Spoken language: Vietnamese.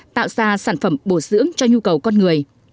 tạo ra sản phẩm bổ dưỡng cho nhu cầu con người